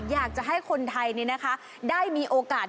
อยากจะให้คนไทยได้มีโอกาส